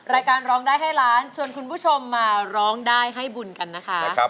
รายการร้องได้ให้ล้านชวนคุณผู้ชมมาร้องได้ให้บุญกันนะคะ